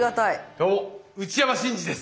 どうも内山信二です。